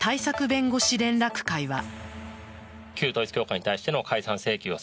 弁護士連絡会は。